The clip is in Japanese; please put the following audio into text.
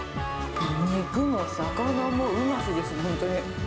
肉も魚もうましです、本当に。